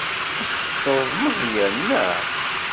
Ad tettreḍ Meẓyan, naɣ?